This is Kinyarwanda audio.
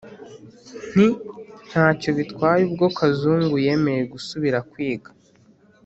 Nti: nta cyo bitwaye ubwo Kazungu yemeye gusubira kwiga